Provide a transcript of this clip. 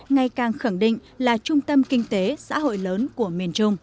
ngày càng khẳng định là trung tâm kinh tế xã hội lớn của miền trung